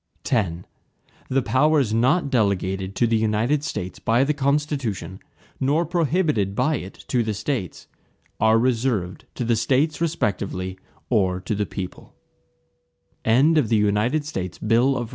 X The powers not delegated to the United States by the Constitution, nor prohibited by it to the States, are reserved to the States respectively, or to the people.